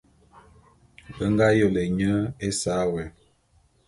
Be ngā yôlé nye ésa wé.